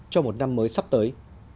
cho một năm mới sắp tới